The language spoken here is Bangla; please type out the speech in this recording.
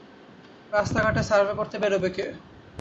রাস্তাঘাট সার্ভে করতে বেরোবে কে।